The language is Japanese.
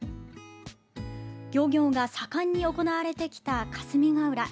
漁業が盛んに行われてきた霞ヶ浦。